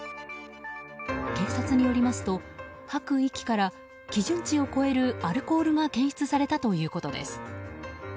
警察によりますと、吐く息から基準値を超えるアルコールが検出されたということです。